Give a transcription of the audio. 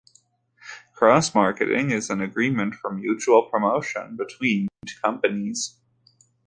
Cross Marketing is an agreement for mutual promotion between two companies.